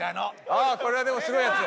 ああこれはでもすごいやつ。